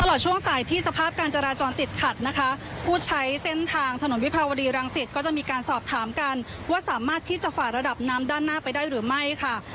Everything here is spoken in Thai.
ตลอดช่วงสายที่สภาพการจราจรติดขัดนะคะผู้ใช้เส้นทางถนนวิภาวดีรังสิตก็จะมีการสอบถามกันว่าสามารถที่จะฝ่าระดับน้ำด้านหน้าไปได้หรือไม่ค่ะ